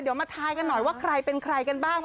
เดี๋ยวมาทายกันหน่อยว่าใครเป็นใครกันบ้าง